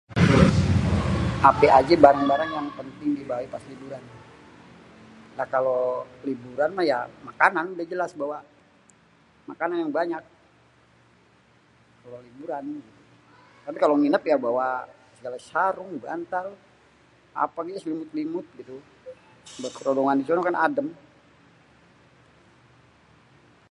Ape aje barang-barang yang penting dibawe pas liburan? Kalo liburan mah ya makanan udah jelas bawa makanan yang banyak, kalo liburan. Tapi kalo nginep ya bawa segala sarung, bantal, ape ge selimut-selimut gitu kan adem.